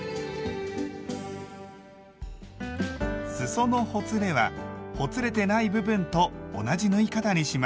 すそのほつれはほつれてない部分と同じ縫い方にします。